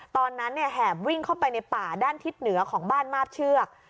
ตอนนั้นเนี่ยแหบวิ่งเข้าไปในป่าด้านทิศเหนือของบ้านมาบเชือก